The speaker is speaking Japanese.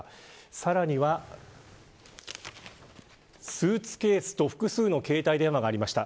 さらには、スーツケースと複数の携帯電話がありました。